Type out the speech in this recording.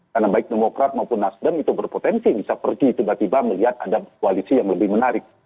karena baik demokrat maupun nasdem itu berpotensi bisa pergi tiba tiba melihat ada koalisi yang lebih menarik